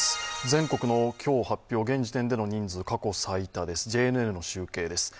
全国の今日発表、現時点での人数、過去最多です、ＪＮＮの集計です。